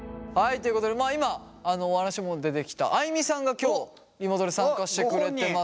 ということで今お話にも出てきたあいみさんが今日リモートで参加してくれてます。